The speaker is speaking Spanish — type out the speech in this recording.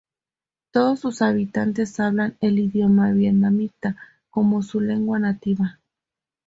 Todos sus habitantes hablan el idioma vietnamita como su lengua nativa.